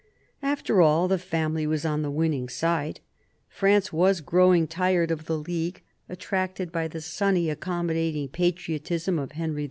After all, the family was on the winning side. France was growing tired of the League, attracted by the sunny, accommodating patriotism of Henry IV.